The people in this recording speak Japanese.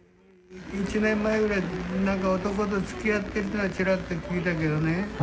１年前ぐらいになんか男とつきあってるっていうのはちらっと聞いたけどね。